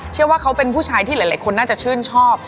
เชื่อว่าเขาเป็นผู้ชายที่หลายคนน่าจะชื่นชอบ